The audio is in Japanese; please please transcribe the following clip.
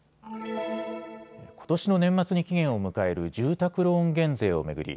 ことしの年末に期限を迎える住宅ローン減税を巡り